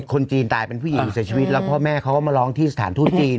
คนจีนตายเป็นผู้หญิงเสียชีวิตแล้วพ่อแม่เขาก็มาร้องที่สถานทูตจีน